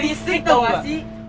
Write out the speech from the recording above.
berisik tau nggak sih